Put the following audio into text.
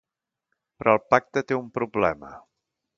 Però el pacte té un problema